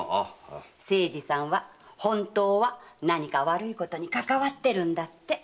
清次さんは本当は何か悪いことにかかわってるんだって。